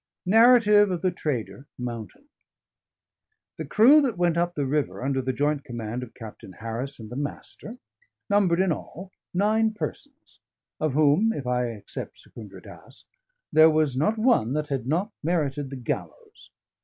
NARRATIVE OF THE TRADER, MOUNTAIN The crew that went up the river under the joint command of Captain Harris and the Master numbered in all nine persons, of whom (if I except Secundra Dass) there was not one that had not merited the gallows.